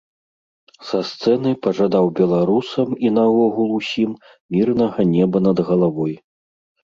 Са сцэны пажадаў беларусам і наогул усім мірнага неба над галавой.